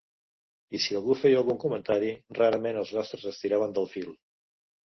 I si algú feia algun comentari, rarament els altres estiraven del fil.